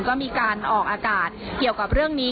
ก็มีการออกอากาศเกี่ยวกับเรื่องนี้